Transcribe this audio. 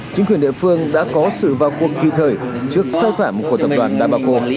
chính quyền địa phương đã có sự vào cuộc kỳ thời trước sau phảm của tập đoàn đà bà cộ